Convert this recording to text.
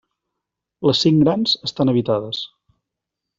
Les cinc grans estan habitades.